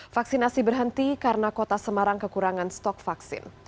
vaksinasi berhenti karena kota semarang kekurangan stok vaksin